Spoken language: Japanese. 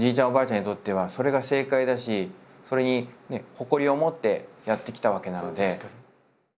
おばあちゃんにとってはそれが正解だしそれに誇りを持ってやってきたわけなので。